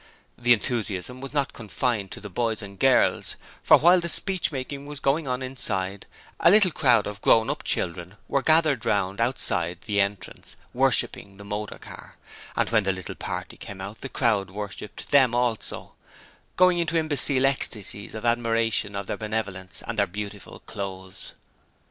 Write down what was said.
The enthusiasm was not confined to the boys and girls, for while the speechmaking was going on inside, a little crowd of grown up children were gathered round outside the entrance, worshipping the motor car: and when the little party came out the crowd worshipped them also, going into imbecile ecstasies of admiration of their benevolence and their beautiful clothes.